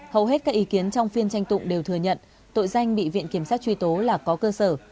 hầu hết các ý kiến trong phiên tranh tụng đều thừa nhận tội danh bị viện kiểm sát truy tố là có cơ sở